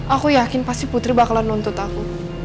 aku yakin pasti putri bakalan nuntut aku